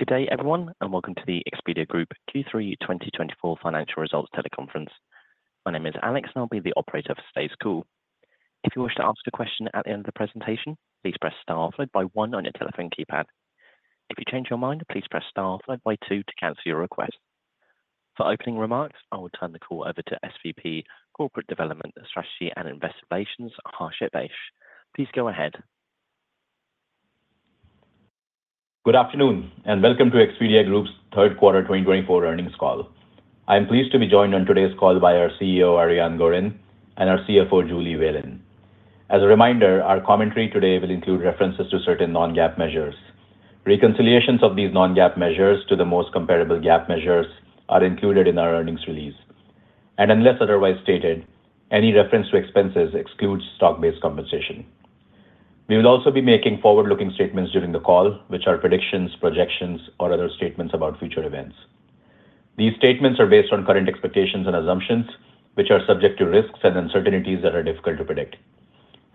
Good day, everyone, and welcome to the Expedia Group Q3 2024 financial results teleconference. My name is Alex, and I'll be the operator for today's call. If you wish to ask a question at the end of the presentation, please press star followed by one on your telephone keypad. If you change your mind, please press star followed by two to cancel your request. For opening remarks, I will turn the call over to SVP Corporate Development Strategy and Investor Relations, Harshit Vaish. Please go ahead. Good afternoon, and welcome to Expedia Group's third quarter 2024 earnings call. I am pleased to be joined on today's call by our CEO, Ariane Gorin, and our CFO, Julie Whalen. As a reminder, our commentary today will include references to certain non-GAAP measures. Reconciliations of these non-GAAP measures to the most comparable GAAP measures are included in our earnings release, and unless otherwise stated, any reference to expenses excludes stock-based compensation. We will also be making forward-looking statements during the call, which are predictions, projections, or other statements about future events. These statements are based on current expectations and assumptions, which are subject to risks and uncertainties that are difficult to predict.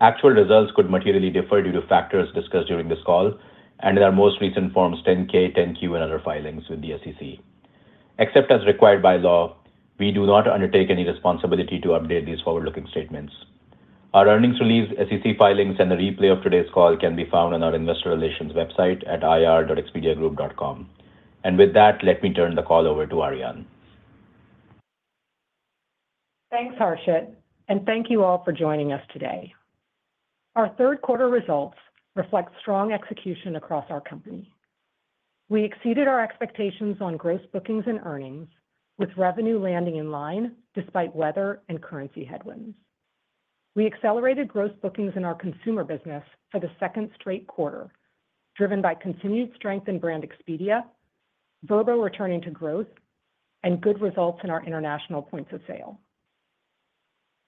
Actual results could materially differ due to factors discussed during this call, and in our most recent forms 10-K, 10-Q, and other filings with the SEC. Except as required by law, we do not undertake any responsibility to update these forward-looking statements. Our earnings release, SEC filings, and the replay of today's call can be found on our investor relations website at ir.expediagroup.com. With that, let me turn the call over to Ariane. Thanks, Harshit. And thank you all for joining us today. Our third quarter results reflect strong execution across our company. We exceeded our expectations on gross bookings and earnings, with revenue landing in line despite weather and currency headwinds. We accelerated gross bookings in our consumer business for the second straight quarter, driven by continued strength in Brand Expedia, Vrbo returning to growth, and good results in our international points of sale.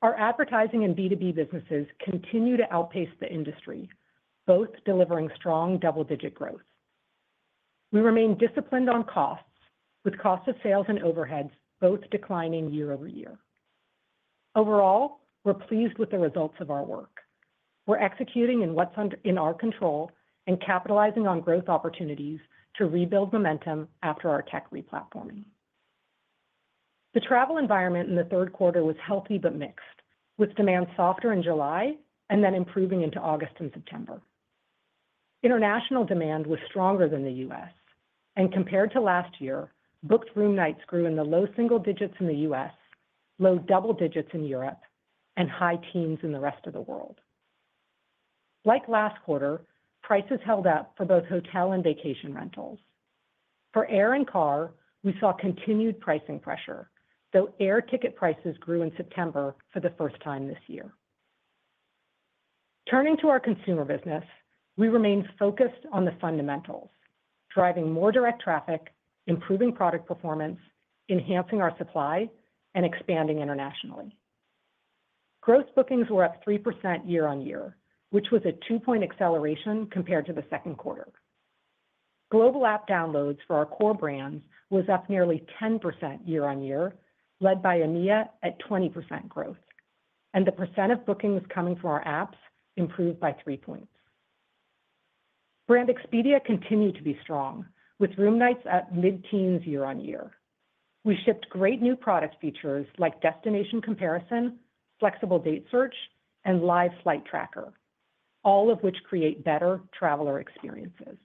Our advertising and B2B businesses continue to outpace the industry, both delivering strong double-digit growth. We remain disciplined on costs, with cost of sales and overheads both declining year over year. Overall, we're pleased with the results of our work. We're executing in what's in our control and capitalizing on growth opportunities to rebuild momentum after our tech replatforming. The travel environment in the third quarter was healthy but mixed, with demand softer in July and then improving into August and September. International demand was stronger than the U.S., and compared to last year, booked room nights grew in the low single digits in the U.S., low double digits in Europe, and high teens in the rest of the world. Like last quarter, prices held up for both hotel and vacation rentals. For air and car, we saw continued pricing pressure, though air ticket prices grew in September for the first time this year. Turning to our consumer business, we remained focused on the fundamentals, driving more direct traffic, improving product performance, enhancing our supply, and expanding internationally. Gross bookings were up 3% year on year, which was a two-point acceleration compared to the second quarter. Global app downloads for our core brands were up nearly 10% year on year, led by EMEA at 20% growth, and the percent of bookings coming from our apps improved by three points. Brand Expedia continued to be strong, with room nights at mid-teens year on year. We shipped great new product features like destination comparison, flexible date search, and live flight tracker, all of which create better traveler experiences.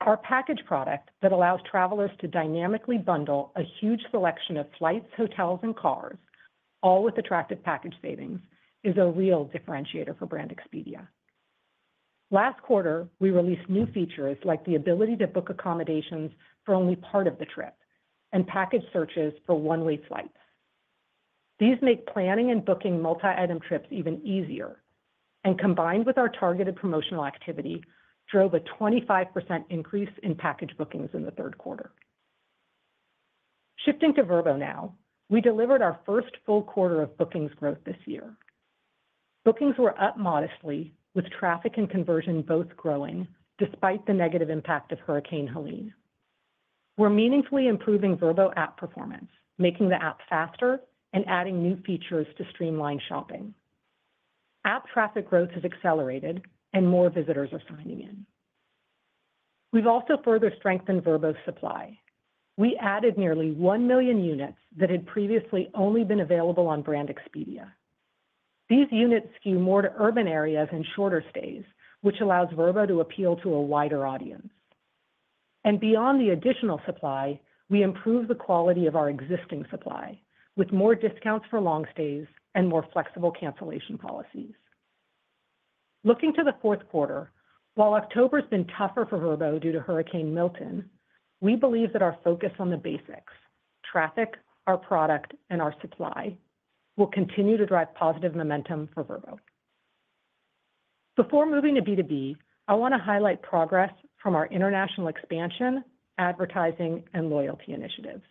Our package product that allows travelers to dynamically bundle a huge selection of flights, hotels, and cars, all with attractive package savings, is a real differentiator for Brand Expedia. Last quarter, we released new features like the ability to book accommodations for only part of the trip and package searches for one-way flights. These make planning and booking multi-item trips even easier, and combined with our targeted promotional activity, drove a 25% increase in package bookings in the third quarter. Shifting to Vrbo now, we delivered our first full quarter of bookings growth this year. Bookings were up modestly, with traffic and conversion both growing despite the negative impact of Hurricane Helene. We're meaningfully improving Vrbo app performance, making the app faster and adding new features to streamline shopping. App traffic growth has accelerated, and more visitors are signing in. We've also further strengthened Vrbo's supply. We added nearly one million units that had previously only been available on Brand Expedia. These units skew more to urban areas and shorter stays, which allows Vrbo to appeal to a wider audience. And beyond the additional supply, we improved the quality of our existing supply, with more discounts for long stays and more flexible cancellation policies. Looking to the fourth quarter, while October has been tougher for Vrbo due to Hurricane Milton, we believe that our focus on the basics, traffic, our product, and our supply will continue to drive positive momentum for Vrbo. Before moving to B2B, I want to highlight progress from our international expansion, advertising, and loyalty initiatives.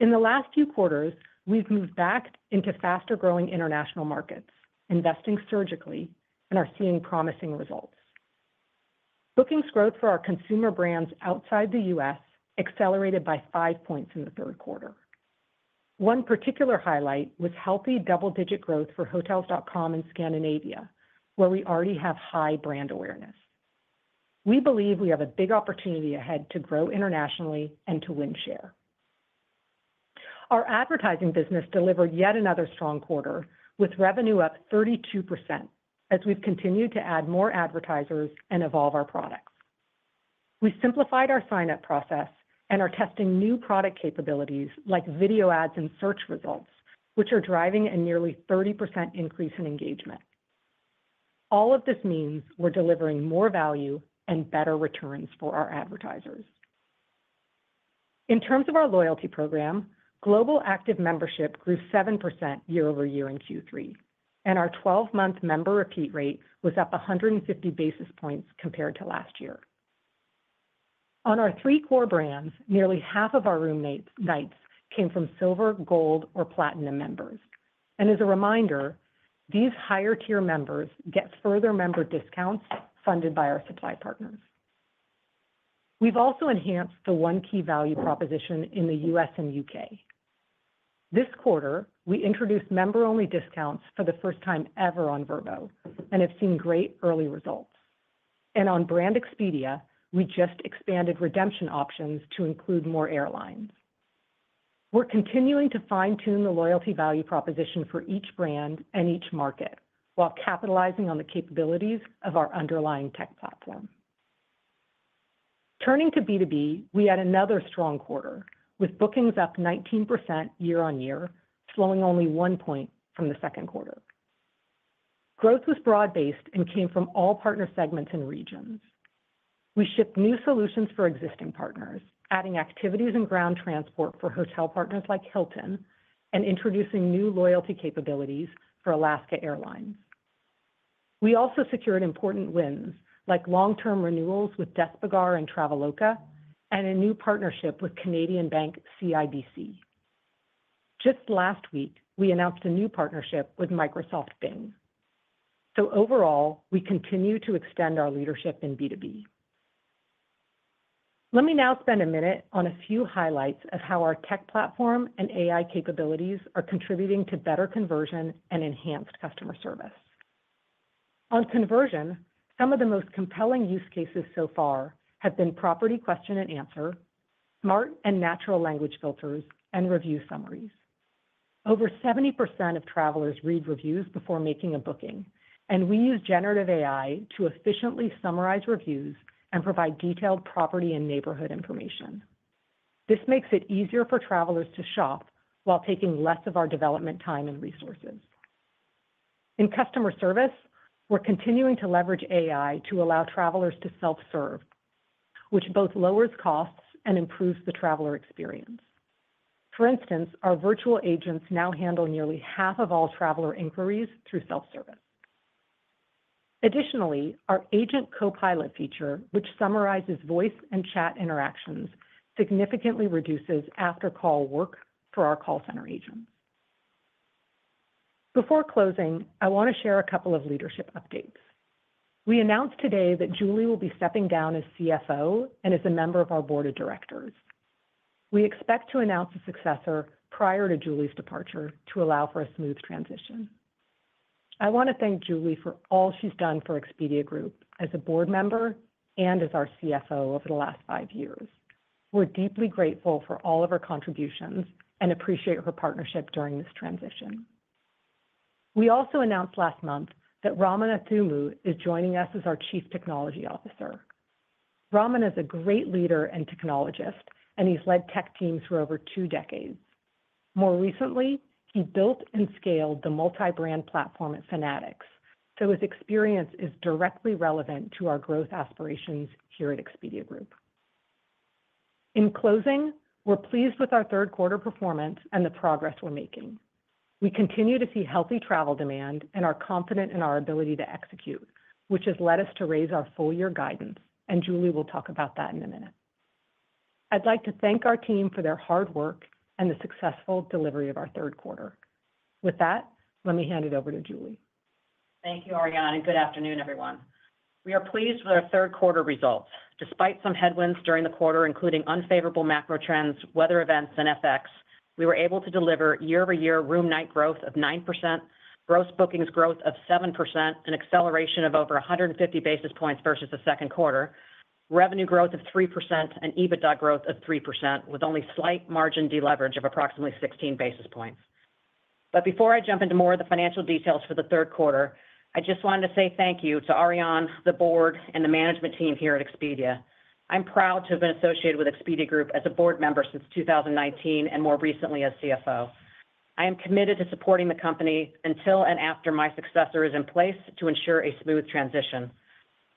In the last few quarters, we've moved back into faster-growing international markets, investing surgically, and are seeing promising results. Bookings growth for our consumer brands outside the U.S. accelerated by five points in the third quarter. One particular highlight was healthy double-digit growth for Hotels.com in Scandinavia, where we already have high brand awareness. We believe we have a big opportunity ahead to grow internationally and to win share. Our advertising business delivered yet another strong quarter, with revenue up 32% as we've continued to add more advertisers and evolve our products. We simplified our sign-up process and are testing new product capabilities like video ads and search results, which are driving a nearly 30% increase in engagement. All of this means we're delivering more value and better returns for our advertisers. In terms of our loyalty program, global active membership grew 7% YoY in Q3, and our 12-month member repeat rate was up 150 basis points compared to last year. On our three core brands, nearly half of our room nights came from Silver, Gold, or Platinum members. And as a reminder, these higher-tier members get further member discounts funded by our supply partners. We've also enhanced the One Key value proposition in the U.S. and U.K. This quarter, we introduced member-only discounts for the first time ever on Vrbo and have seen great early results. And on Brand Expedia, we just expanded redemption options to include more airlines. We're continuing to fine-tune the loyalty value proposition for each brand and each market while capitalizing on the capabilities of our underlying tech platform. Turning to B2B, we had another strong quarter, with bookings up 19% year on year, slowing only one point from the second quarter. Growth was broad-based and came from all partner segments and regions. We shipped new solutions for existing partners, adding activities and ground transport for hotel partners like Hilton and introducing new loyalty capabilities for Alaska Airlines. We also secured important wins like long-term renewals with Despegar and Traveloka and a new partnership with Canadian Bank CIBC. Just last week, we announced a new partnership with Microsoft Bing. So overall, we continue to extend our leadership in B2B. Let me now spend a minute on a few highlights of how our tech platform and AI capabilities are contributing to better conversion and enhanced customer service. On conversion, some of the most compelling use cases so far have been property question and answer, smart and natural language filters, and review summaries. Over 70% of travelers read reviews before making a booking, and we use generative AI to efficiently summarize reviews and provide detailed property and neighborhood information. This makes it easier for travelers to shop while taking less of our development time and resources. In customer service, we're continuing to leverage AI to allow travelers to self-serve, which both lowers costs and improves the traveler experience. For instance, our virtual agents now handle nearly half of all traveler inquiries through self-service. Additionally, our Agent Copilot feature, which summarizes voice and chat interactions, significantly reduces after-call work for our call center agents. Before closing, I want to share a couple of leadership updates. We announced today that Julie will be stepping down as CFO and is a member of our board of directors. We expect to announce a successor prior to Julie's departure to allow for a smooth transition. I want to thank Julie for all she's done for Expedia Group as a board member and as our CFO over the last five years. We're deeply grateful for all of her contributions and appreciate her partnership during this transition. We also announced last month that Ramana Thumu is joining us as our Chief Technology Officer. Ramana is a great leader and technologist, and he's led tech teams for over two decades. More recently, he built and scaled the multi-brand platform at Fanatics, so his experience is directly relevant to our growth aspirations here at Expedia Group. In closing, we're pleased with our third quarter performance and the progress we're making. We continue to see healthy travel demand and are confident in our ability to execute, which has led us to raise our full-year guidance, and Julie will talk about that in a minute. I'd like to thank our team for their hard work and the successful delivery of our third quarter. With that, let me hand it over to Julie. Thank you, Ariane. Good afternoon, everyone. We are pleased with our third quarter results. Despite some headwinds during the quarter, including unfavorable macro trends, weather events, and FX, we were able to deliver year-over-year room night growth of 9%, gross bookings growth of 7%, an acceleration of over 150 basis points versus the second quarter, revenue growth of 3%, and EBITDA growth of 3%, with only slight margin deleverage of approximately 16 basis points. But before I jump into more of the financial details for the third quarter, I just wanted to say thank you to Ariane, the board, and the management team here at Expedia. I'm proud to have been associated with Expedia Group as a board member since 2019 and more recently as CFO. I am committed to supporting the company until and after my successor is in place to ensure a smooth transition.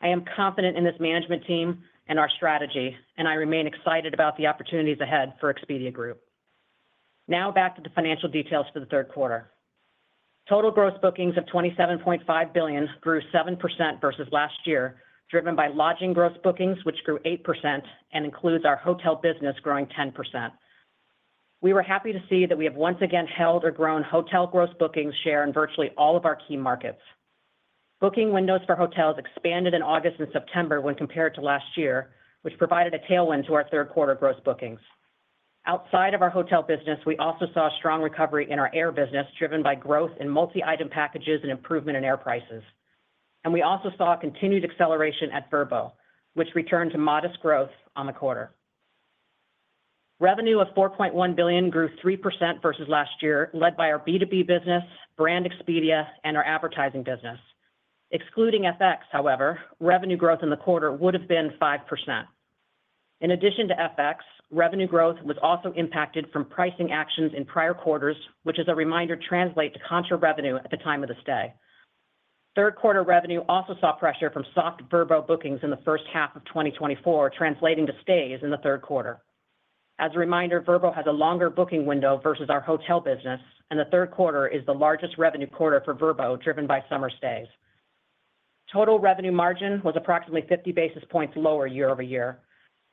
I am confident in this management team and our strategy, and I remain excited about the opportunities ahead for Expedia Group. Now back to the financial details for the third quarter. Total gross bookings of $27.5 billion grew 7% versus last year, driven by lodging gross bookings, which grew 8%, and includes our hotel business growing 10%. We were happy to see that we have once again held or grown hotel gross bookings share in virtually all of our key markets. Booking windows for hotels expanded in August and September when compared to last year, which provided a tailwind to our third quarter gross bookings. Outside of our hotel business, we also saw a strong recovery in our air business, driven by growth in multi-item packages and improvement in air prices, and we also saw continued acceleration at Vrbo, which returned to modest growth on the quarter. Revenue of $4.1 billion grew 3% versus last year, led by our B2B business, Brand Expedia, and our advertising business. Excluding FX, however, revenue growth in the quarter would have been 5%. In addition to FX, revenue growth was also impacted from pricing actions in prior quarters, which, as a reminder, translate to contra revenue at the time of the stay. Third quarter revenue also saw pressure from soft Vrbo bookings in the first half of 2024, translating to stays in the third quarter. As a reminder, Vrbo has a longer booking window versus our hotel business, and the third quarter is the largest revenue quarter for Vrbo, driven by summer stays. Total revenue margin was approximately 50 basis points lower year over year.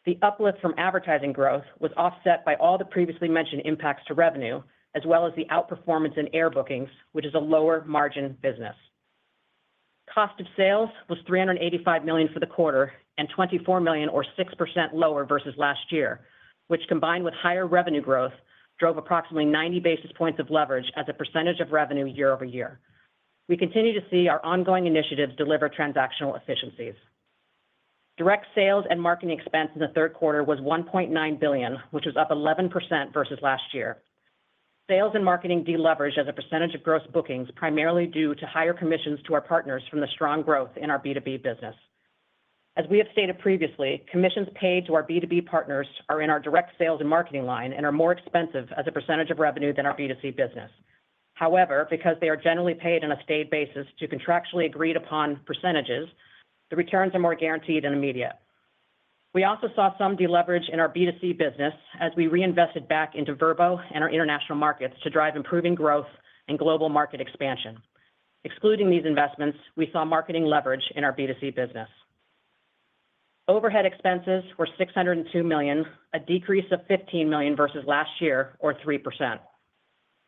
The uplift from advertising growth was offset by all the previously mentioned impacts to revenue, as well as the outperformance in air bookings, which is a lower margin business. Cost of sales was $385 million for the quarter and $24 million, or 6% lower versus last year, which, combined with higher revenue growth, drove approximately 90 basis points of leverage as a percentage of revenue year over year. We continue to see our ongoing initiatives deliver transactional efficiencies. Direct sales and marketing expense in the third quarter was $1.9 billion, which was up 11% versus last year. Sales and marketing deleveraged as a percentage of gross bookings, primarily due to higher commissions to our partners from the strong growth in our B2B business. As we have stated previously, commissions paid to our B2B partners are in our direct sales and marketing line and are more expensive as a percentage of revenue than our B2C business. However, because they are generally paid on a stayed basis to contractually agreed-upon percentages, the returns are more guaranteed and immediate. We also saw some deleverage in our B2C business as we reinvested back into Vrbo and our international markets to drive improving growth and global market expansion. Excluding these investments, we saw marketing leverage in our B2C business. Overhead expenses were $602 million, a decrease of $15 million versus last year, or 3%.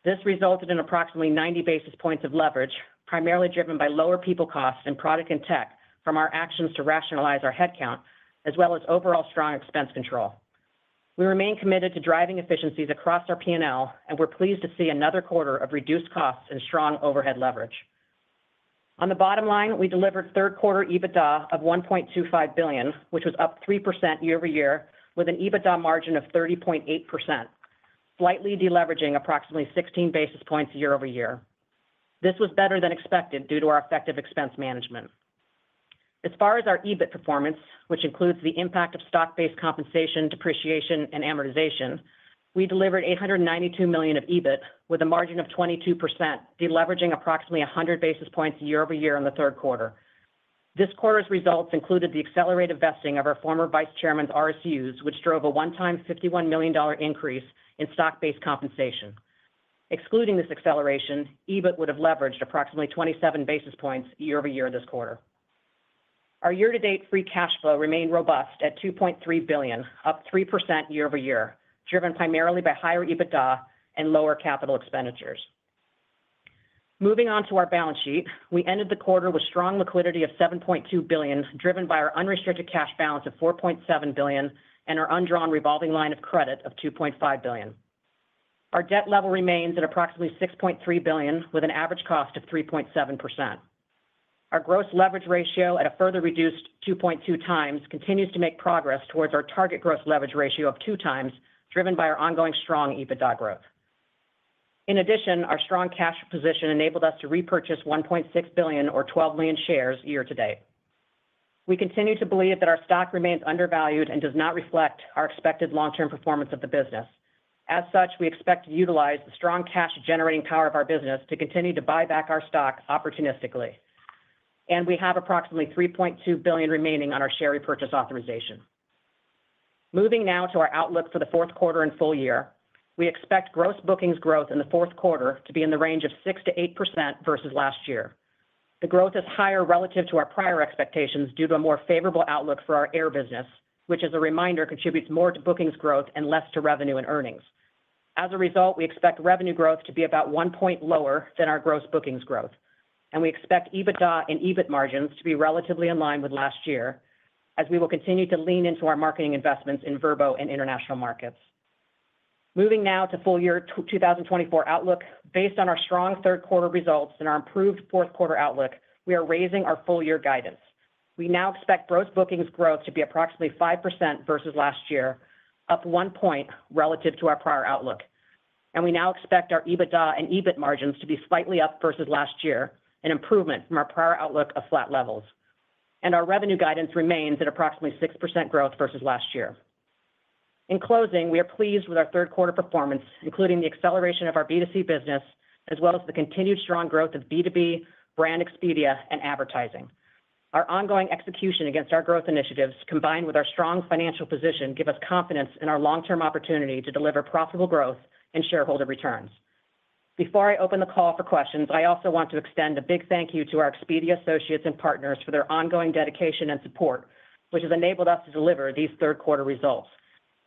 This resulted in approximately 90 basis points of leverage, primarily driven by lower people costs and product and tech from our actions to rationalize our headcount, as well as overall strong expense control. We remain committed to driving efficiencies across our P&L, and we're pleased to see another quarter of reduced costs and strong overhead leverage. On the bottom line, we delivered third quarter EBITDA of $1.25 billion, which was up 3% YoY, with an EBITDA margin of 30.8%, slightly deleveraging approximately 16 basis points year over year. This was better than expected due to our effective expense management. As far as our EBIT performance, which includes the impact of stock-based compensation, depreciation, and amortization, we delivered $892 million of EBIT with a margin of 22%, deleveraging approximately 100 basis points year over year in the third quarter. This quarter's results included the accelerated vesting of our former vice chairman's RSUs, which drove a one-time $51 million increase in stock-based compensation. Excluding this acceleration, EBIT would have leveraged approximately 27 basis points year over year this quarter. Our year-to-date free cash flow remained robust at $2.3 billion, up 3% YoY, driven primarily by higher EBITDA and lower capital expenditures. Moving on to our balance sheet, we ended the quarter with strong liquidity of $7.2 billion, driven by our unrestricted cash balance of $4.7 billion and our undrawn revolving line of credit of $2.5 billion. Our debt level remains at approximately $6.3 billion, with an average cost of 3.7%. Our gross leverage ratio at a further reduced 2.2x continues to make progress towards our target gross leverage ratio of 2x, driven by our ongoing strong EBITDA growth. In addition, our strong cash position enabled us to repurchase $1.6 billion, or 12 million, shares year-to-date. We continue to believe that our stock remains undervalued and does not reflect our expected long-term performance of the business. As such, we expect to utilize the strong cash-generating power of our business to continue to buy back our stock opportunistically. And we have approximately $3.2 billion remaining on our share repurchase authorization. Moving now to our outlook for the fourth quarter and full year, we expect gross bookings growth in the fourth quarter to be in the range of 6%-8% versus last year. The growth is higher relative to our prior expectations due to a more favorable outlook for our air business, which, as a reminder, contributes more to bookings growth and less to revenue and earnings. As a result, we expect revenue growth to be about one point lower than our gross bookings growth. And we expect EBITDA and EBIT margins to be relatively in line with last year, as we will continue to lean into our marketing investments in Vrbo and international markets. Moving now to full year 2024 outlook. Based on our strong third quarter results and our improved fourth quarter outlook, we are raising our full year guidance. We now expect gross bookings growth to be approximately 5% versus last year, up one point relative to our prior outlook. We now expect our EBITDA and EBIT margins to be slightly up versus last year, an improvement from our prior outlook of flat levels. Our revenue guidance remains at approximately 6% growth versus last year. In closing, we are pleased with our third quarter performance, including the acceleration of our B2C business, as well as the continued strong growth of B2B, brand Expedia, and advertising. Our ongoing execution against our growth initiatives, combined with our strong financial position, give us confidence in our long-term opportunity to deliver profitable growth and shareholder returns. Before I open the call for questions, I also want to extend a big thank you to our Expedia associates and partners for their ongoing dedication and support, which has enabled us to deliver these third quarter results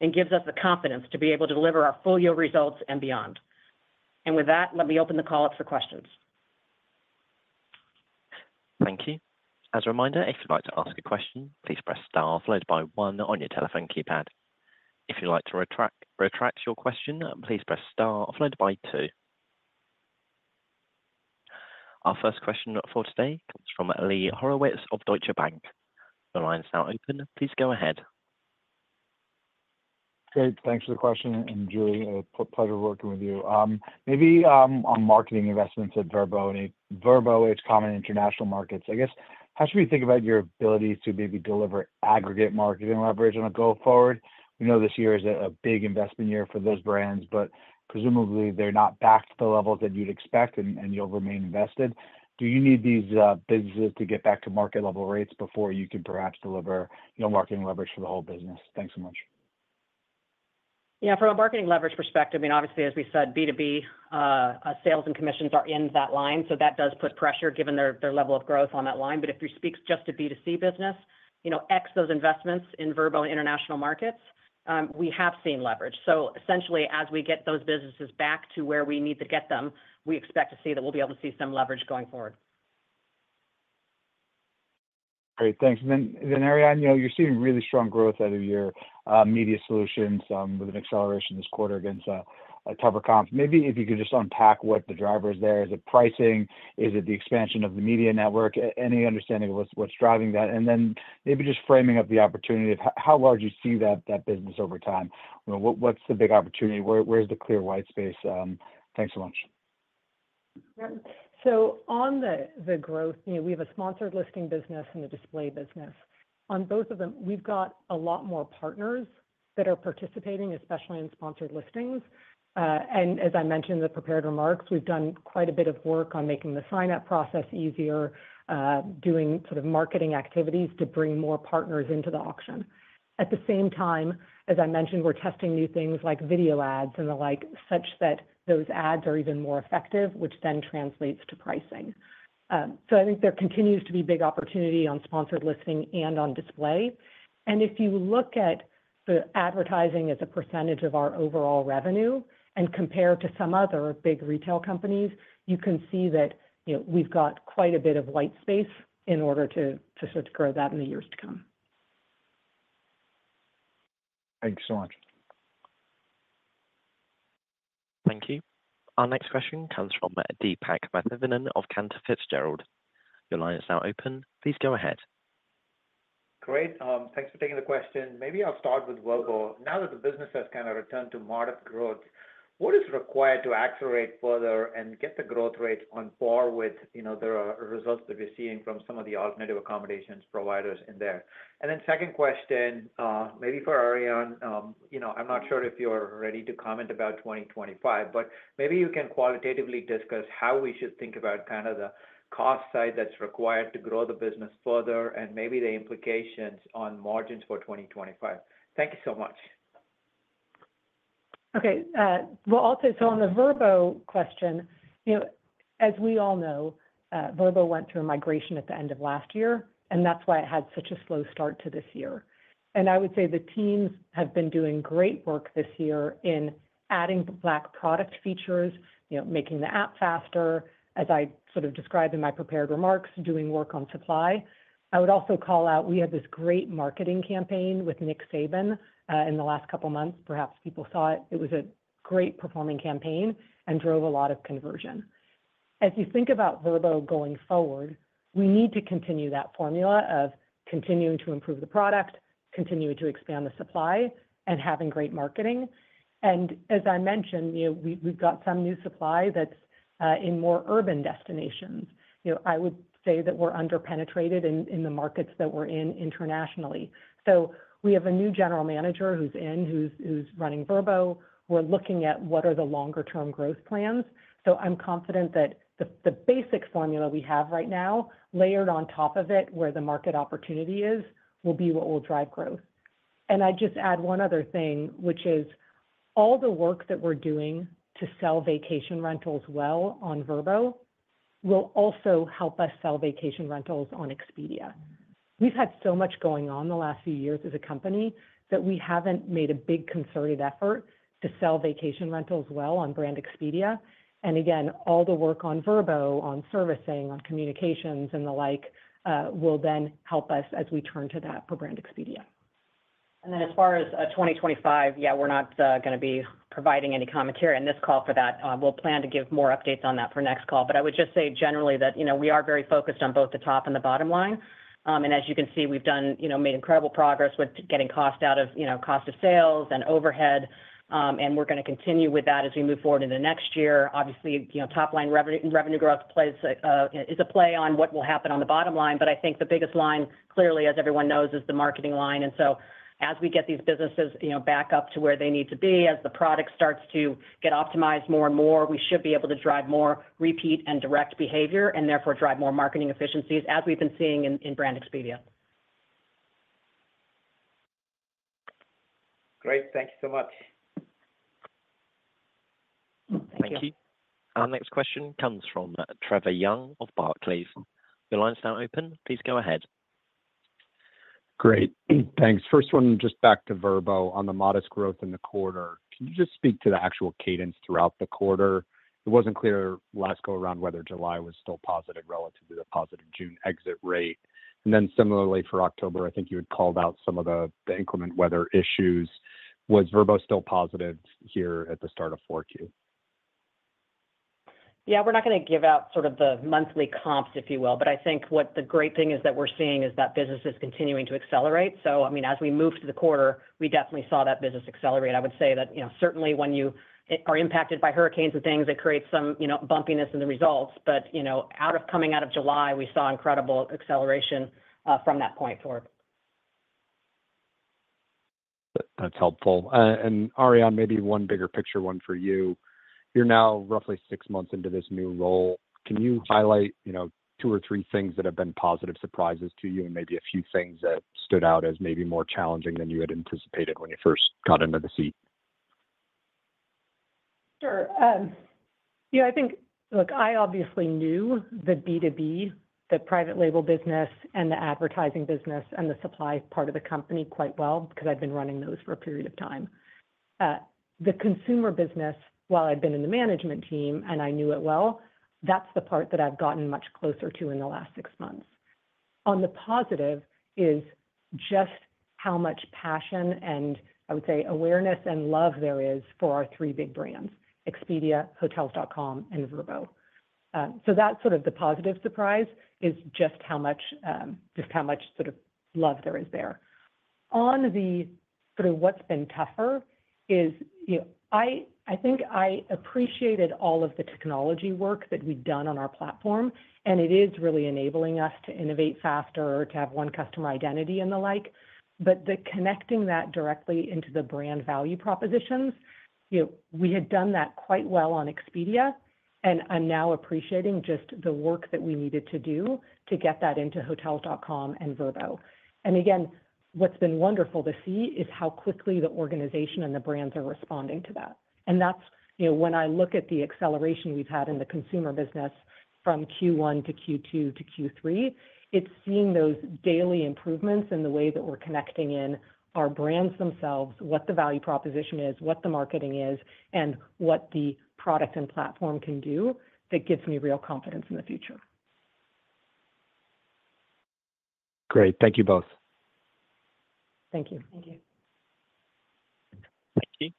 and gives us the confidence to be able to deliver our full year results and beyond, and with that, let me open the call up for questions. Thank you. As a reminder, if you'd like to ask a question, please press star followed by one on your telephone keypad. If you'd like to retract your question, please press star followed by two. Our first question for today comes from Lee Horowitz of Deutsche Bank. The line is now open. Please go ahead. Hey, thanks for the question. And Julie, a pleasure working with you. Maybe on marketing investments at Vrbo and Hotels.com International Markets, I guess, how should we think about your ability to maybe deliver aggregate marketing leverage on a go forward? We know this year is a big investment year for those brands, but presumably they're not back to the levels that you'd expect, and you'll remain invested. Do you need these businesses to get back to market level rates before you can perhaps deliver marketing leverage for the whole business? Thanks so much. Yeah, from a marketing leverage perspective, I mean, obviously, as we said, B2B sales and commissions are in that line, so that does put pressure given their level of growth on that line. But if you speak just to B2C business, ex those investments in Vrbo and international markets, we have seen leverage. So essentially, as we get those businesses back to where we need to get them, we expect to see that we'll be able to see some leverage going forward. Great. Thanks. And then, Ariane, you're seeing really strong growth out of your media solutions with an acceleration this quarter against a tougher comp. Maybe if you could just unpack what the driver is there. Is it pricing? Is it the expansion of the media network? Any understanding of what's driving that? And then maybe just framing up the opportunity of how large you see that business over time. What's the big opportunity? Where's the clear white space? Thanks so much. So on the growth, we have a sponsored listing business and a display business. On both of them, we've got a lot more partners that are participating, especially in sponsored listings. And as I mentioned in the prepared remarks, we've done quite a bit of work on making the sign-up process easier, doing sort of marketing activities to bring more partners into the auction. At the same time, as I mentioned, we're testing new things like video ads and the like, such that those ads are even more effective, which then translates to pricing. So I think there continues to be big opportunity on sponsored listing and on display. And if you look at the advertising as a percentage of our overall revenue and compare to some other big retail companies, you can see that we've got quite a bit of white space in order to sort of grow that in the years to come. Thank you so much. Thank you. Our next question comes from Deepak Mathivanan of Cantor Fitzgerald. Your line is now open. Please go ahead. Great. Thanks for taking the question. Maybe I'll start with Vrbo. Now that the business has kind of returned to modest growth, what is required to accelerate further and get the growth rate on par with the results that we're seeing from some of the alternative accommodations providers in there? And then second question, maybe for Ariane, I'm not sure if you're ready to comment about 2025, but maybe you can qualitatively discuss how we should think about kind of the cost side that's required to grow the business further and maybe the implications on margins for 2025. Thank you so much. Okay. Well, also, so on the Vrbo question, as we all know, Vrbo went through a migration at the end of last year, and that's why it had such a slow start to this year. I would say the teams have been doing great work this year in adding the One Key product features, making the app faster, as I sort of described in my prepared remarks, doing work on supply. I would also call out we had this great marketing campaign with Nick Saban in the last couple of months. Perhaps people saw it. It was a great performing campaign and drove a lot of conversion. As you think about Vrbo going forward, we need to continue that formula of continuing to improve the product, continuing to expand the supply, and having great marketing. And as I mentioned, we've got some new supply that's in more urban destinations. I would say that we're underpenetrated in the markets that we're in internationally. So we have a new general manager who's in, who's running Vrbo. We're looking at what are the longer-term growth plans. So I'm confident that the basic formula we have right now, layered on top of it, where the market opportunity is, will be what will drive growth. And I'd just add one other thing, which is all the work that we're doing to sell vacation rentals well on Vrbo will also help us sell vacation rentals on Expedia. We've had so much going on the last few years as a company that we haven't made a big concerted effort to sell vacation rentals well on Brand Expedia. And again, all the work on Vrbo, on servicing, on communications, and the like will then help us as we turn to that for Brand Expedia. And then as far as 2025, yeah, we're not going to be providing any commentary in this call for that. We'll plan to give more updates on that for next call. But I would just say generally that we are very focused on both the top and the bottom line. And as you can see, we've made incredible progress with getting cost out of cost of sales and overhead. And we're going to continue with that as we move forward into next year. Obviously, top-line revenue growth is a play on what will happen on the bottom line. But I think the biggest line, clearly, as everyone knows, is the marketing line. And so as we get these businesses back up to where they need to be, as the product starts to get optimized more and more, we should be able to drive more repeat and direct behavior and therefore drive more marketing efficiencies, as we've been seeing in Brand Expedia. Great. Thank you so much. Thank you. Thank you. Our next question comes from Trevor Young of Barclays. Your line is now open. Please go ahead. Great. Thanks. First one, just back to Vrbo on the modest growth in the quarter. Can you just speak to the actual cadence throughout the quarter? It wasn't clear last go around whether July was still positive relative to the positive June exit rate. And then similarly for October, I think you had called out some of the inclement weather issues. Was Vrbo still positive here at the start of Q4? Yeah, we're not going to give out sort of the monthly comps, if you will. But I think what the great thing is that we're seeing is that business is continuing to accelerate. So I mean, as we moved to the quarter, we definitely saw that business accelerate. I would say that certainly when you are impacted by hurricanes and things, it creates some bumpiness in the results. But coming out of July, we saw incredible acceleration from that point forward. That's helpful. And Ariane, maybe one bigger picture one for you. You're now roughly six months into this new role. Can you highlight two or three things that have been positive surprises to you and maybe a few things that stood out as maybe more challenging than you had anticipated when you first got into the seat? Sure. Yeah, I think, look, I obviously knew the B2B, the private label business, and the advertising business and the supply part of the company quite well because I've been running those for a period of time. The consumer business, while I've been in the management team and I knew it well, that's the part that I've gotten much closer to in the last six months. On the positive is just how much passion and, I would say, awareness and love there is for our three big brands, Expedia, Hotels.com, and Vrbo. So that's sort of the positive surprise is just how much sort of love there is there. On the sort of what's been tougher is I think I appreciated all of the technology work that we've done on our platform, and it is really enabling us to innovate faster, to have one customer identity and the like. But connecting that directly into the brand value propositions, we had done that quite well on Expedia. And I'm now appreciating just the work that we needed to do to get that into Hotels.com and Vrbo. And again, what's been wonderful to see is how quickly the organization and the brands are responding to that. And that's when I look at the acceleration we've had in the consumer business from Q1 to Q2 to Q3. It's seeing those daily improvements in the way that we're connecting in our brands themselves, what the value proposition is, what the marketing is, and what the product and platform can do that gives me real confidence in the future. Great. Thank you both. Thank you. Thank you. Thank you.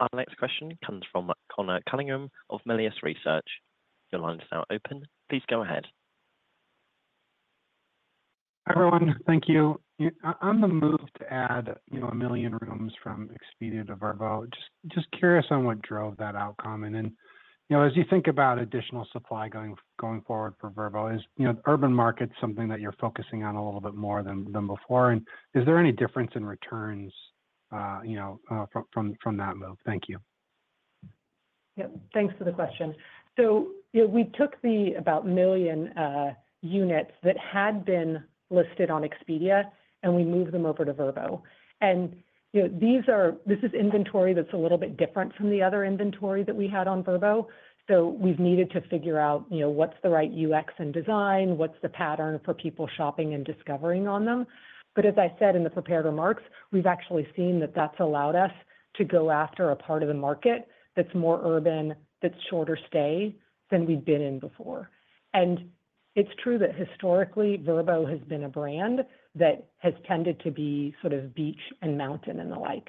Our next question comes from Conor Cunningham of Melius Research. Your line is now open. Please go ahead. Hi everyone. Thank you. We added a million rooms from Expedia to Vrbo. Just curious on what drove that outcome. And then as you think about additional supply going forward for Vrbo, is the urban market something that you're focusing on a little bit more than before? And is there any difference in returns from that move? Thank you. Yep. Thanks for the question. So we took about a million units that had been listed on Expedia, and we moved them over to Vrbo. And this is inventory that's a little bit different from the other inventory that we had on Vrbo. So we've needed to figure out what's the right UX and design, what's the pattern for people shopping and discovering on them. But as I said in the prepared remarks, we've actually seen that that's allowed us to go after a part of the market that's more urban, that's shorter stay than we've been in before. It's true that historically, Vrbo has been a brand that has tended to be sort of beach and mountain and the like.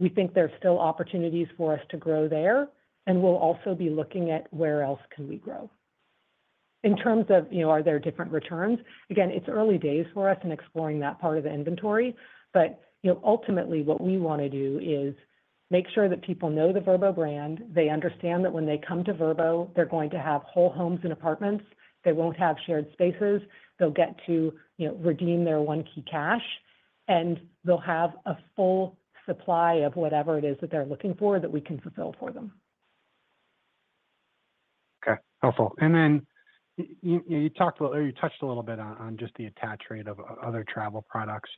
We think there's still opportunities for us to grow there. We'll also be looking at where else we can grow. In terms of are there different returns? Again, it's early days for us in exploring that part of the inventory. But ultimately, what we want to do is make sure that people know the Vrbo brand. They understand that when they come to Vrbo, they're going to have whole homes and apartments. They won't have shared spaces. They'll get to redeem their OneKeyCash. And they'll have a full supply of whatever it is that they're looking for that we can fulfill for them. Okay. Helpful. And then you talked a little or you touched a little bit on just the attach rate of other travel products.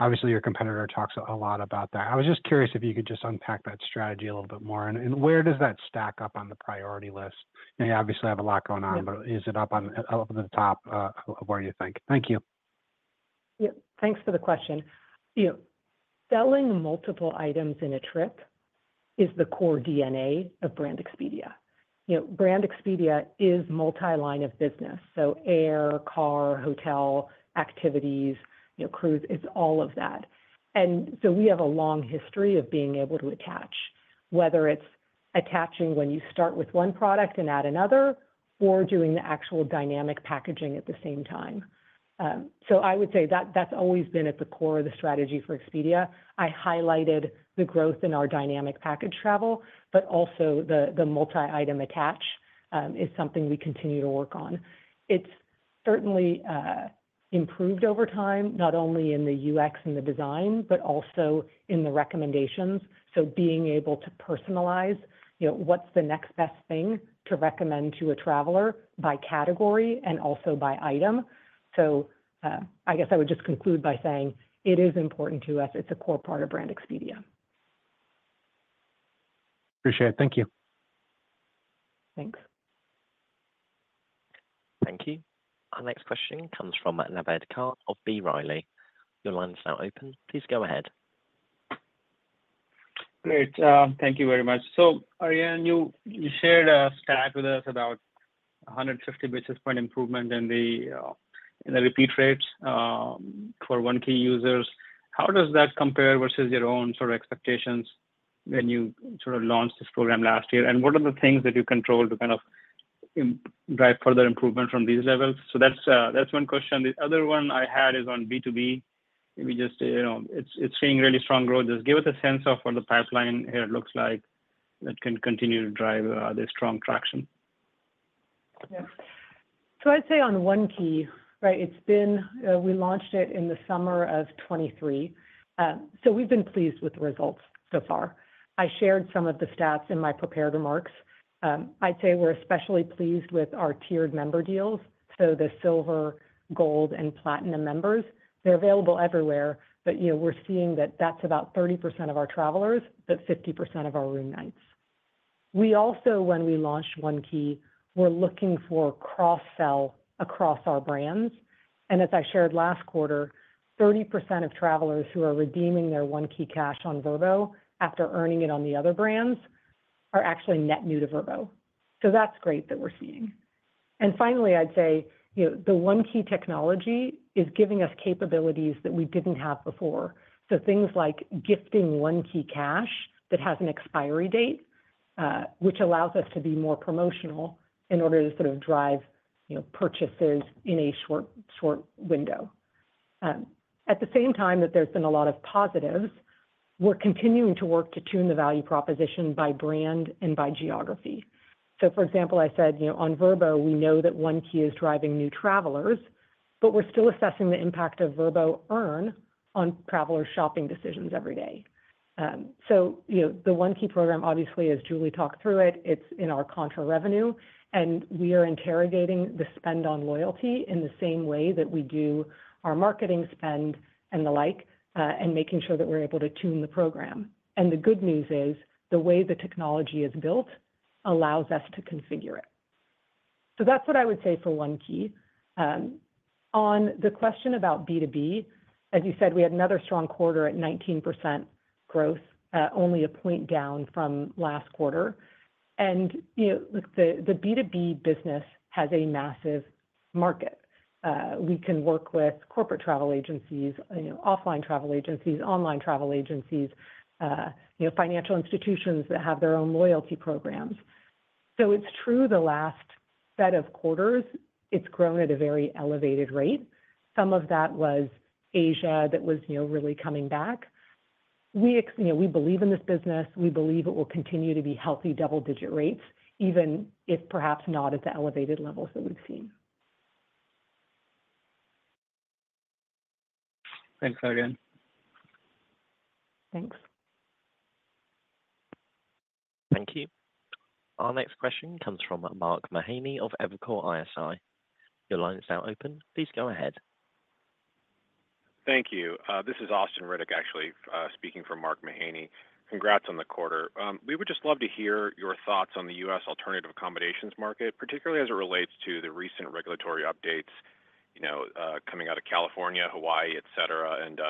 Obviously, your competitor talks a lot about that. I was just curious if you could just unpack that strategy a little bit more. And where does that stack up on the priority list? You obviously have a lot going on, but is it up at the top of where you think? Thank you. Yep. Thanks for the question. Selling multiple items in a trip is the core DNA of Brand Expedia. Brand Expedia is multi-line of business. So air, car, hotel, activities, cruise, it's all of that. And so we have a long history of being able to attach, whether it's attaching when you start with one product and add another or doing the actual dynamic packaging at the same time. So I would say that's always been at the core of the strategy for Expedia. I highlighted the growth in our dynamic package travel, but also the multi-item attach is something we continue to work on. It's certainly improved over time, not only in the UX and the design, but also in the recommendations. So being able to personalize what's the next best thing to recommend to a traveler by category and also by item. So I guess I would just conclude by saying it is important to us. It's a core part of Brand Expedia. Appreciate it. Thank you. Thanks. Thank you. Our next question comes from Naved Khan of B. Riley. Your line is now open. Please go ahead. Great. Thank you very much. So Ariane, you shared a stat with us about 150 basis points improvement in the repeat rates for One Key users. How does that compare versus your own sort of expectations when you sort of launched this program last year? And what are the things that you control to kind of drive further improvement from these levels? So that's one question. The other one I had is on B2B. Maybe just, it's seeing really strong growth. Just give us a sense of what the pipeline here looks like that can continue to drive this strong traction. Yep. So I'd say on One Key, right, we launched it in the summer of 2023. So we've been pleased with the results so far. I shared some of the stats in my prepared remarks. I'd say we're especially pleased with our tiered member deals. So the silver, gold, and platinum members. They're available everywhere, but we're seeing that that's about 30% of our travelers, but 50% of our room nights. We also, when we launched One Key, were looking for cross-sell across our brands. And as I shared last quarter, 30% of travelers who are redeeming their OneKeyCash on Vrbo after earning it on the other brands are actually net new to Vrbo. So that's great that we're seeing. And finally, I'd say the One Key technology is giving us capabilities that we didn't have before. Things like gifting OneKeyCash that has an expiry date, which allows us to be more promotional in order to sort of drive purchases in a short window. At the same time that there's been a lot of positives, we're continuing to work to tune the value proposition by brand and by geography. For example, I said on Vrbo, we know that One Key is driving new travelers, but we're still assessing the impact of Vrbo earn on travelers' shopping decisions every day. The One Key program, obviously, as Julie talked through it, it's in our contra revenue. And we are interrogating the spend on loyalty in the same way that we do our marketing spend and the like, and making sure that we're able to tune the program. And the good news is the way the technology is built allows us to configure it. That's what I would say for One Key. On the question about B2B, as you said, we had another strong quarter at 19% growth, only a point down from last quarter. And the B2B business has a massive market. We can work with corporate travel agencies, offline travel agencies, online travel agencies, financial institutions that have their own loyalty programs. It's true the last set of quarters, it's grown at a very elevated rate. Some of that was Asia that was really coming back. We believe in this business. We believe it will continue to be healthy double-digit rates, even if perhaps not at the elevated levels that we've seen. Thanks, Ariane. Thanks. Thank you. Our next question comes from Mark Mahaney of Evercore ISI. Your line is now open. Please go ahead. Thank you. This is Austin Riddick, actually, speaking from Mark Mahaney. Congrats on the quarter. We would just love to hear your thoughts on the U.S. alternative accommodations market, particularly as it relates to the recent regulatory updates coming out of California, Hawaii, etc., and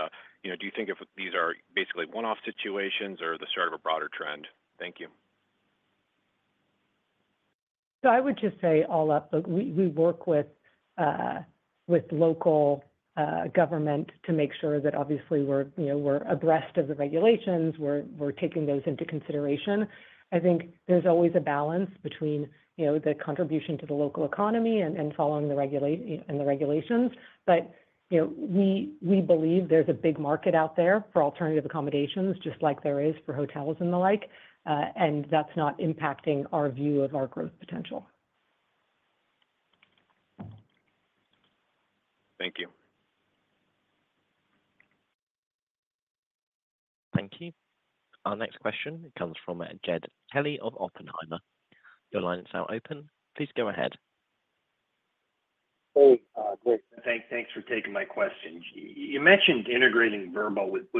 do you think these are basically one-off situations or the start of a broader trend? Thank you. So I would just say all up, we work with local government to make sure that obviously we're abreast of the regulations. We're taking those into consideration. I think there's always a balance between the contribution to the local economy and following the regulations. But we believe there's a big market out there for alternative accommodations, just like there is for hotels and the like. And that's not impacting our view of our growth potential. Thank you. Thank you. Our next question comes from Jed Kelly of Oppenheimer. Your line is now open. Please go ahead. Hey. Great. Thanks for taking my question. You mentioned integrating Vrbo with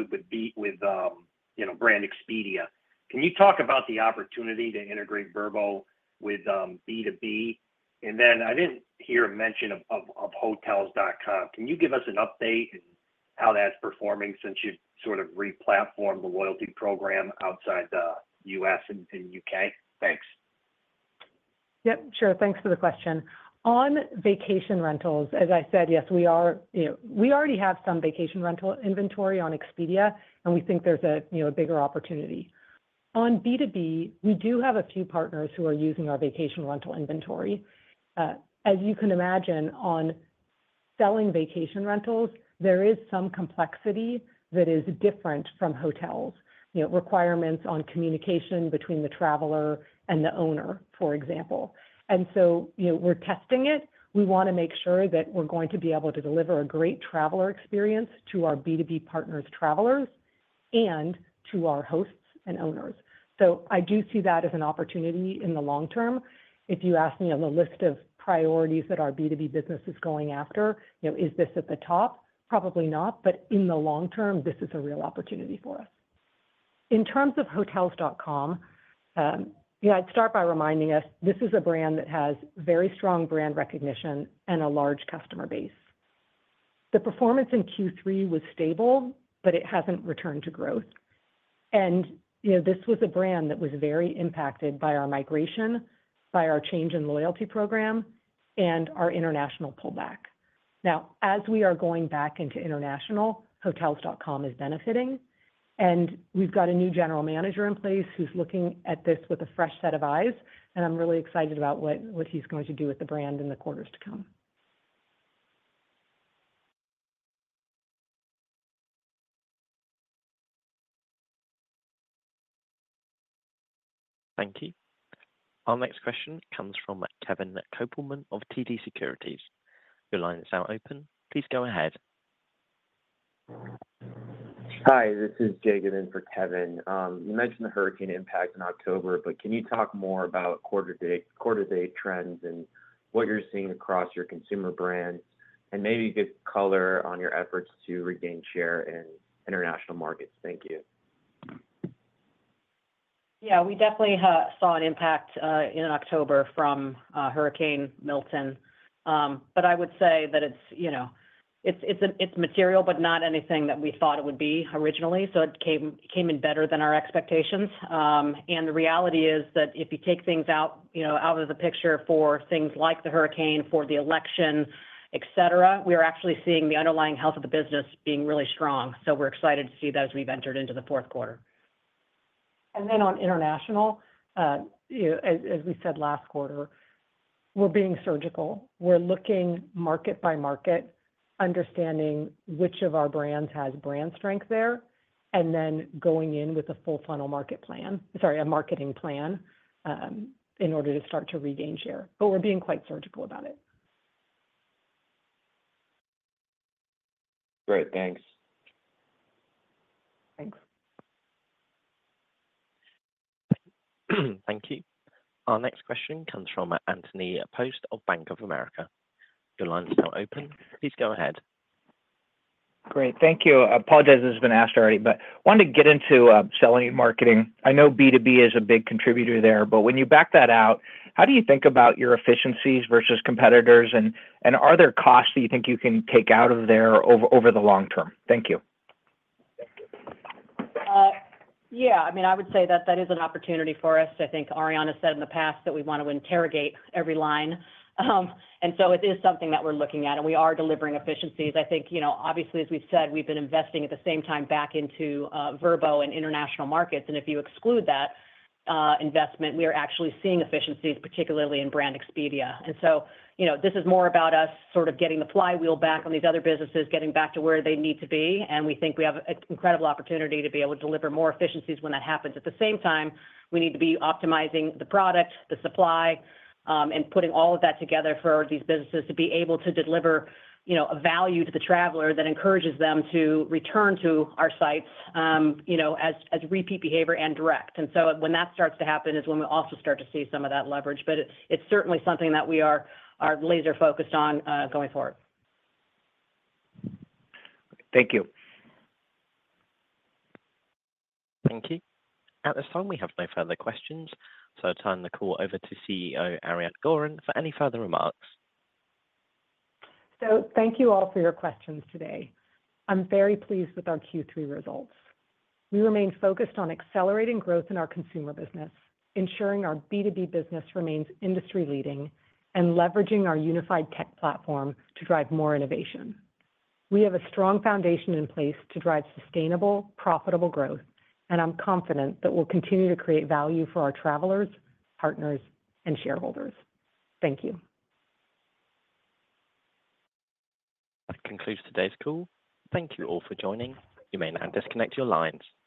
Brand Expedia. Can you talk about the opportunity to integrate Vrbo with B2B? And then I didn't hear a mention of Hotels.com. Can you give us an update on how that's performing since you've sort of replatformed the loyalty program outside the U.S. and U.K.? Thanks. Yep. Sure. Thanks for the question. On vacation rentals, as I said, yes, we already have some vacation rental inventory on Expedia, and we think there's a bigger opportunity. On B2B, we do have a few partners who are using our vacation rental inventory. As you can imagine, on selling vacation rentals, there is some complexity that is different from hotels, requirements on communication between the traveler and the owner, for example. And so we're testing it. We want to make sure that we're going to be able to deliver a great traveler experience to our B2B partners, travelers, and to our hosts and owners. So I do see that as an opportunity in the long term. If you ask me on the list of priorities that our B2B business is going after, is this at the top? Probably not. But in the long term, this is a real opportunity for us. In terms of Hotels.com, I'd start by reminding us this is a brand that has very strong brand recognition and a large customer base. The performance in Q3 was stable, but it hasn't returned to growth. And this was a brand that was very impacted by our migration, by our change in loyalty program, and our international pullback. Now, as we are going back into international, Hotels.com is benefiting. And we've got a new general manager in place who's looking at this with a fresh set of eyes. And I'm really excited about what he's going to do with the brand in the quarters to come. Thank you. Our next question comes from Kevin Kopelman of TD Securities. Your line is now open. Please go ahead. Hi. This is Jacob Seed for Kevin. You mentioned the hurricane impact in October, but can you talk more about quarter-to-date trends and what you're seeing across your consumer brands? And maybe you could color on your efforts to regain share in international markets. Thank you. Yeah. We definitely saw an impact in October from Hurricane Milton. But I would say that it's material, but not anything that we thought it would be originally. So it came in better than our expectations. And the reality is that if you take things out of the picture for things like the hurricane, for the election, etc., we are actually seeing the underlying health of the business being really strong. So we're excited to see that as we've entered into the fourth quarter. And then on international, as we said last quarter, we're being surgical. We're looking market by market, understanding which of our brands has brand strength there, and then going in with a full-funnel market plan, sorry, a marketing plan in order to start to regain share. But we're being quite surgical about it. Great. Thanks. Thanks. Thank you. Our next question comes from Anthony Post of Bank of America. Your line is now open. Please go ahead. Great. Thank you. I apologize. This has been asked already, but I wanted to get into selling and marketing. I know B2B is a big contributor there, but when you back that out, how do you think about your efficiencies versus competitors? And are there costs that you think you can take out of there over the long term? Thank you. Yeah. I mean, I would say that that is an opportunity for us. I think Ariane said in the past that we want to interrogate every line. And so it is something that we're looking at. And we are delivering efficiencies. I think, obviously, as we've said, we've been investing at the same time back into Vrbo and international markets. And if you exclude that investment, we are actually seeing efficiencies, particularly in Brand Expedia. And so this is more about us sort of getting the flywheel back on these other businesses, getting back to where they need to be. And we think we have an incredible opportunity to be able to deliver more efficiencies when that happens. At the same time, we need to be optimizing the product, the supply, and putting all of that together for these businesses to be able to deliver a value to the traveler that encourages them to return to our sites as repeat behavior and direct, and so when that starts to happen is when we also start to see some of that leverage, but it's certainly something that we are laser-focused on going forward. Thank you. Thank you. At this time, we have no further questions. So I'll turn the call over to CEO Ariane Gorin for any further remarks. Thank you all for your questions today. I'm very pleased with our Q3 results. We remain focused on accelerating growth in our consumer business, ensuring our B2B business remains industry-leading, and leveraging our unified tech platform to drive more innovation. We have a strong foundation in place to drive sustainable, profitable growth, and I'm confident that we'll continue to create value for our travelers, partners, and shareholders. Thank you. That concludes today's call. Thank you all for joining. You may now disconnect your lines.